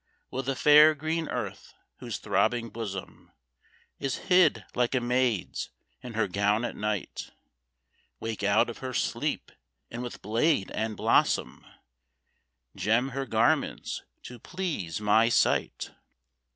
Will the fair, green Earth, whose throbbing bosom Is hid like a maid's in her gown at night, Wake out of her sleep, and with blade and blossom Gem her garments to please my sight?